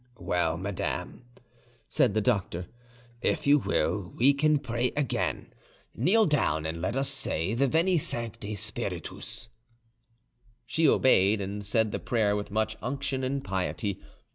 "Well, madame," said the doctor, "if you will, we can pray again; kneel down, and let us say the 'Veni Sancte Spiritus'." She obeyed, and said the prayer with much unction and piety.